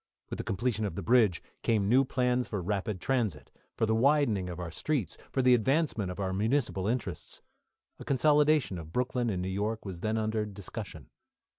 With the completion of the bridge came new plans for rapid transit, for the widening of our streets, for the advancement of our municipal interests. A consolidation of Brooklyn and New York was then under discussion.